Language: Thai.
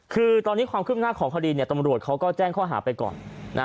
คือตอนนี้ความคืบหน้าของคดีตำรวจเขาก็แจ้งข้อหาไปก่อน